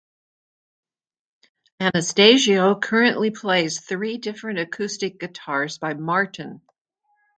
Anastasio currently plays three different acoustic guitars by Martin.